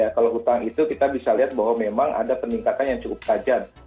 kalau hutang itu kita bisa lihat bahwa memang ada peningkatan yang cukup tajam